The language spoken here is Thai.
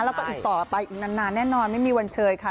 แล้วก็อีกต่อไปอีกนานแน่นอนไม่มีวันเชยค่ะ